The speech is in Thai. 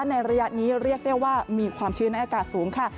ในระยะนี้เรียกได้ว่ามีความชื้นในอากาศสูงค่ะ